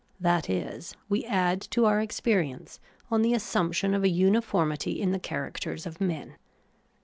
That is, we add to our experience on the assumption of a uniformity in the characters of men.